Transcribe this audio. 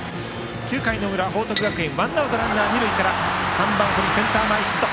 ９回の裏、報徳学園ワンアウトランナー、二塁から３番、堀のセンター前ヒット。